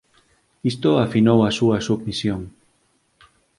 Isto afinou a súa submisión.